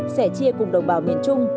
sẽ chia cùng đồng bào miền trung